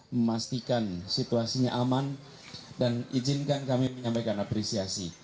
memastikan situasinya aman dan izinkan kami menyampaikan apresiasi